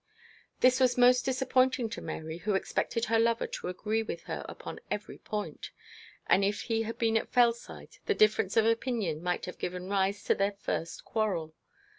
This was most disappointing to Mary, who expected her lover to agree with her upon every point; and if he had been at Fellside the difference of opinion might have given rise to their first quarrel.